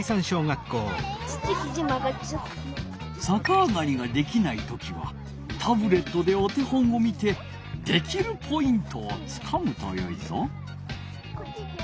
さかあがりができない時はタブレットでお手本を見てできるポイントをつかむとよいぞ。